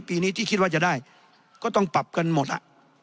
ปีนี้ที่คิดว่าจะได้ก็ต้องปรับกันหมดอ่ะ